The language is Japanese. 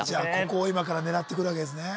ここを今から狙ってくるわけですね